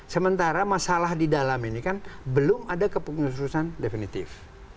sementara masalah di dalam ini kan belum ada keputusan definitif